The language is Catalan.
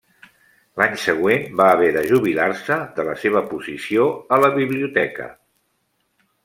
A l'any següent va haver de jubilar-se de la seva posició a la Biblioteca.